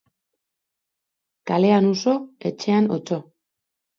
Kalean uso, etxean otso.